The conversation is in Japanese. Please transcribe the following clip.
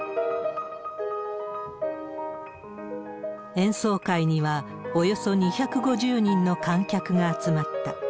演奏会にはおよそ２５０人の観客が集まった。